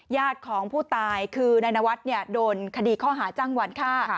ญาติของผู้ตายในนวัดโดนคดีข้อหาจังหวัดค่ะ